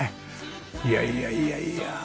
いやいやいやいや。